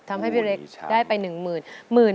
ทำให้พี่เล็กได้ไป๑๐๐๐บาท